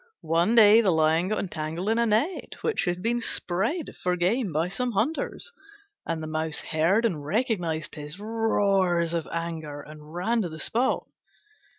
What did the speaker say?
One day the Lion got entangled in a net which had been spread for game by some hunters, and the Mouse heard and recognised his roars of anger and ran to the spot.